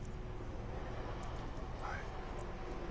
はい。